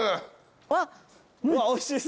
うわっおいしそう。